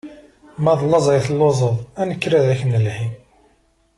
Ma d laẓ ay telluẓeḍ, ad nekker ad ak-nelhi.